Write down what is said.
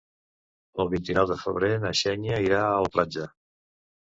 El vint-i-nou de febrer na Xènia irà a la platja.